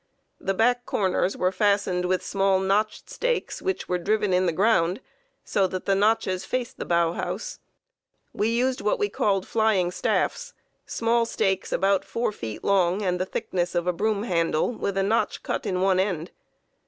The back corners were fastened with small, notched stakes which were driven in the ground so that the notches faced the bough house. We used what we called "flying staffs" small stakes about four feet long and the thickness of a broom handle, with a notch cut in one end.